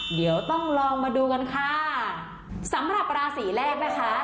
เดี๋ยวต้องลองมาดูกันค่ะสำหรับราศีแรกนะคะ